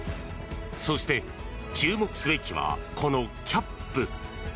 そして、注目すべきはこのキャップ。